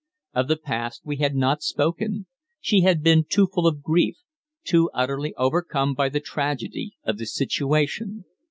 Of the past we had not spoken. She had been too full of grief, too utterly overcome by the tragedy of the situation.